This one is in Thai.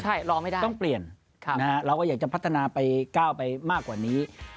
ก็ต้องเปลี่ยนเราก็อยากจะพัฒนาไปความกล้าลไปมากกว่านี้